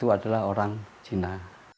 adalah orang cina